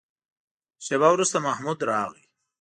شېبه وروسته محمود راغی.